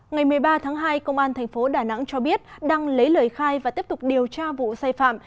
ngày một mươi ba tháng hai công an tp đà nẵng cho biết đang lấy lời khai và tiếp tục điều tra vụ xây phạm